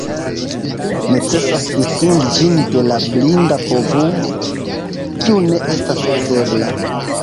Necesas distingi ĝin de la blinda povumo, kiu ne estas uzebla.